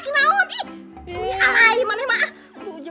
keputusin sama boya kasian